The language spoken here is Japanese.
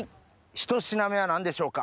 ひと品目は何でしょうか？